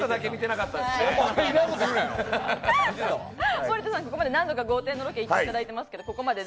森田さん、ここまで何度か豪邸のロケ行っていただいてますけど。